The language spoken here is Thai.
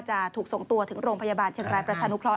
ช่วงหน้ามาแล้วมีข่าวพูดไหมครับ